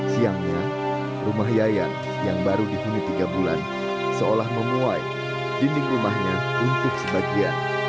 siangnya rumah yayan yang baru dihuni tiga bulan seolah memuai dinding rumahnya untuk sebagian